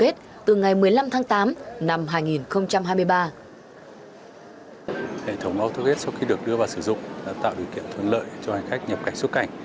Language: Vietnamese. hệ thống autogate sau khi được đưa vào sử dụng đã tạo điều kiện thuận lợi cho hành khách nhập cảnh xuất cảnh